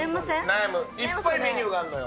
悩む、いっぱいメニューがあんのよ。